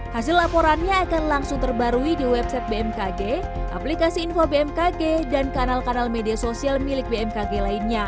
hasil laporannya akan langsung terbarui di website bmkg aplikasi info bmkg dan kanal kanal media sosial milik bmkg lainnya